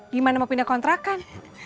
gimana mau pindah kontrakan